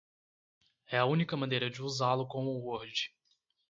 É a única maneira de usá-lo com o Word.